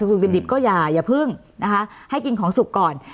สุดดิบก็อย่าอย่าพึ่งให้กินของสุกก่อน